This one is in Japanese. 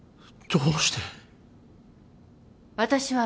どうして。